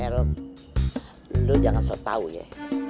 eh rom lo jangan sok tau ya